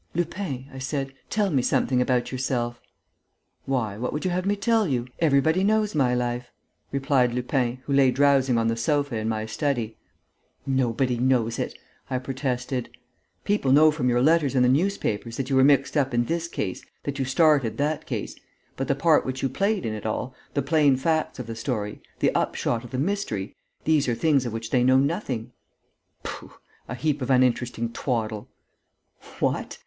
"Lupin," I said, "tell me something about yourself." "Why, what would you have me tell you? Everybody knows my life!" replied Lupin, who lay drowsing on the sofa in my study. "Nobody knows it!" I protested. "People know from your letters in the newspapers that you were mixed up in this case, that you started that case. But the part which you played in it all, the plain facts of the story, the upshot of the mystery: these are things of which they know nothing." "Pooh! A heap of uninteresting twaddle!" "What!